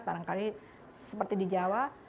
parangkali seperti di jawa